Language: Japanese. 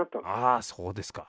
あそうですか。